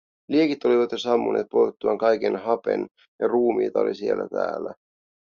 Liekit olivat jo sammuneet poltettuaan kaiken hapen, ja ruumiita oli siellä täällä.